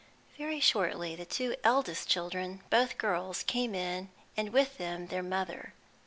Very shortly the two eldest children, both girls, came in, and with them their mother.